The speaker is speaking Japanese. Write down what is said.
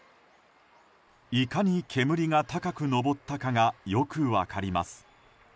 いかに煙が高く上ったかがよく分かります。